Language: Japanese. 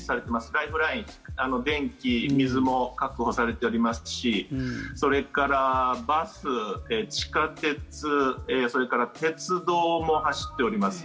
ライフライン電気、水も確保されていますしそれからバス、地下鉄それから鉄道も走っております。